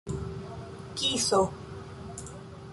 kiso